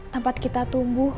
tempat kita tumbuh